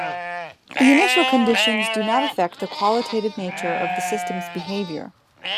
The initial conditions do not affect the qualitative nature of the system's behavior.